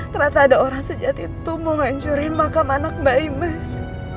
kenapa ada orang sejat itu mau ngancurin makam anak mbak imas